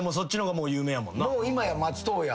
もう今や松任谷。